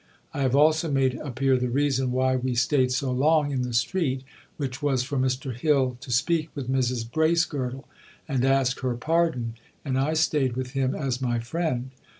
I have also made appear the reason why we stayed so long in the street, which was for Mr Hill to speak with Mrs Bracegirdle and ask her pardon, and I stayed with him as my friend.